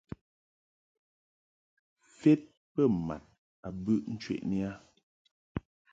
Fed bə mad a bɨʼ ncheʼni a.